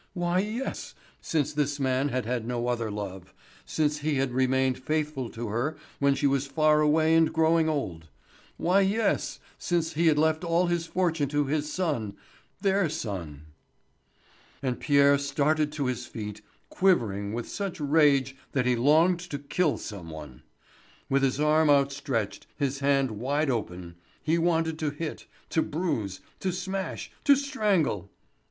Why yes, since this man had had no other love, since he had remained faithful to her when she was far away and growing old. Why yes, since he had left all his fortune to his son—their son! And Pierre started to his feet, quivering with such rage that he longed to kill some one. With his arm outstretched, his hand wide open, he wanted to hit, to bruise, to smash, to strangle!